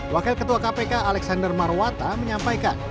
wakil ketua kpk alexander marwata menyampaikan